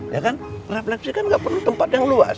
ya kan refleksi kan nggak perlu tempat yang luas